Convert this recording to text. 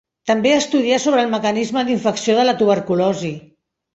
També estudià sobre el mecanisme d'infecció de la tuberculosi.